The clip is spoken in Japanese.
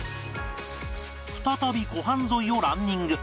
再び湖畔沿いをランニング